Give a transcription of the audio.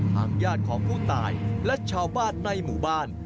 ทางญาติของผู้ตายและชาวบ้านในหมู่บ้าน